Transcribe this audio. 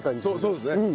そうですね。